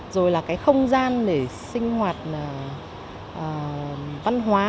rồi là cái không gian để sinh hoạt văn hóa